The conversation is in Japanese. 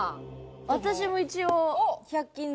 私も一応。